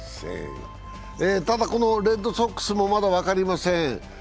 ただレッドソックスもまだ分かりません。